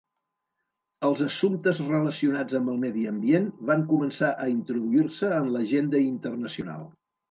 Els assumptes relacionats amb el medi ambient van començar a introduir-se en l'agenda internacional.